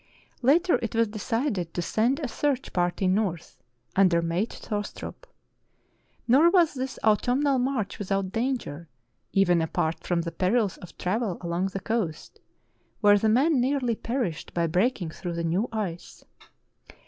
Later it was decided to send a search party north, under mate Thostrup. Nor was this autumnal march without danger, even apart from the perils of travel along the coast, where the men nearly perished by break ing through the new ice.